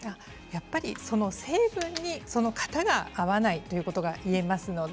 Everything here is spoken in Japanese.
やっぱり成分が、その方に合わないということがいえます。